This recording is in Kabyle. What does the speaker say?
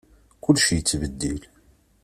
Kullec yettbeddil.